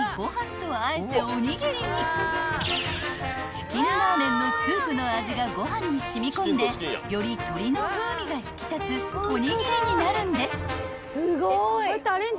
［チキンラーメンのスープの味がご飯に染み込んでより鶏の風味が引き立つおにぎりになるんです］